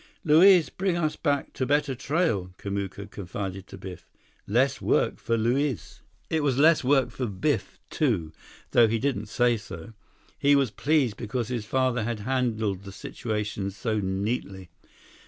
"Luiz bring us back to better trail," Kamuka confided to Biff. "Less work for Luiz." It was less work for Biff, too, though he didn't say so. He was pleased because his father had handled the situation so neatly.